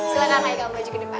silahkan haikal maju ke depan